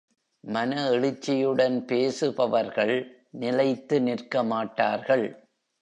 மன எழுச்சியுடன் பேசுபவர்கள் நிலைத்து நிற்கமாட்டார்கள்.